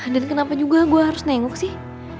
dan kenapa juga gue harus nenguk sih